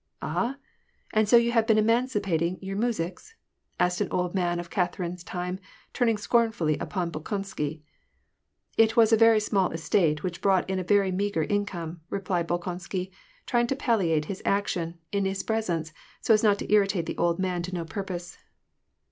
" Ah ? and so you have been emancipating your muzhiks ?" asked an old man of Catherine's time, turning scornfully upon Bolkonsky. "It was a very small estate, which brought in a very meagre income," replied Bolkonsky, tiying to palliate his action, in his presence, so as not to irritate the old man to no purpose.